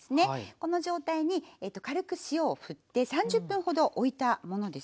この状態に軽く塩をふって３０分ほどおいたものです。